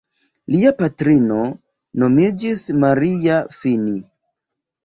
Lia patrino nomiĝis Maria Fini.